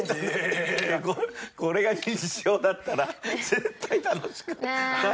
これが日常だったら絶対楽しくない。